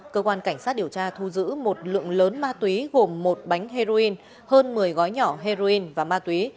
cơ quan cảnh sát điều tra thu giữ một lượng lớn ma túy gồm một bánh heroin hơn một mươi gói nhỏ heroin và ma túy